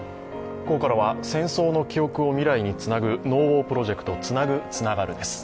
ここからは戦争の記憶を未来につなぐ、「ＮＯＷＡＲプロジェクトつなぐ、つながる」です。